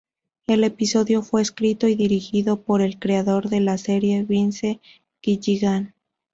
El episodio fue escrito y dirigido por el creador de la serie Vince Gilligan.